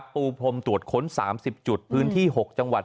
ปูพรมตรวจค้น๓๐จุดพื้นที่๖จังหวัด